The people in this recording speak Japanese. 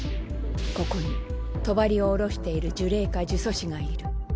ここに帳を下ろしている呪霊か呪詛師がいる。